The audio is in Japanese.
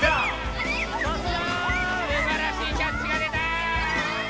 すばらしいキャッチが出た！